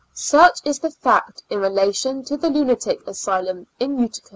Such is the fact in relation to the Lunatic Asylum in Utica.